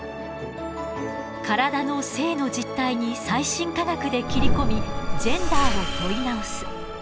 体の性の実態に最新科学で切り込みジェンダーを問い直す。